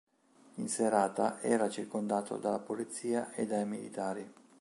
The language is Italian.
In serata era circondato dalla polizia e dai militari.